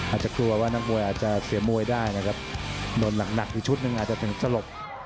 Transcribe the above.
อาจจะกลัวว่านักมวยอาจจะเสียมวยได้นะครับโดนหนักอยู่ชุดหนึ่งอาจจะถึงสลบ